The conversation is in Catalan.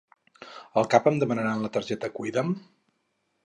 Al cap em demanaran la targeta Cuida'm?